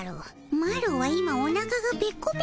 マロは今おなかがペッコペコなのじゃ。